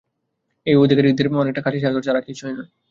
এই অধিকারিবাদের অনেকটা খাঁটি স্বার্থ ছাড়া আর কিছুই নয়।